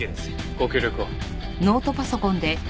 ご協力を。